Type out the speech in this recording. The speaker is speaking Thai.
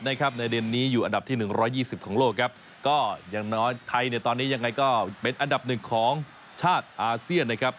ในเด่นนี้อยู่อันดับที่๑๒๐ของโลกครับก็อย่างน้อยไทยตอนนี้ยังไงก็เป็นอันดับหนึ่งของชาติอาเซียนนะครับ